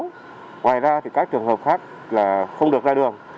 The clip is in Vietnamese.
ngoài ra thì các trường hợp khác là không được ra đường